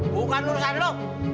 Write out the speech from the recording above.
bukan urusan lo